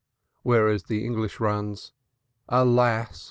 Whereof the English runs: Alas!